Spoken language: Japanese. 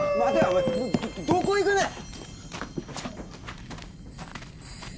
お前どこ行くねん！